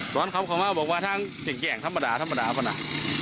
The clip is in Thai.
ตอนกลับเข้ามาบอกว่าทางสิ่งแกร่งธรรมดาธรรมดาพนัก